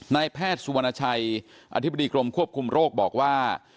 นายแพทย์สุวรรณชัยอธิบดีกรมควบคุมโรคบอกว่า